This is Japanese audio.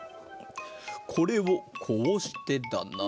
これをこうしてだな。